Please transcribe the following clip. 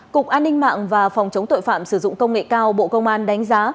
cục an ninh mạng và phòng chống tội phạm sử dụng công nghệ cao bộ công an đánh giá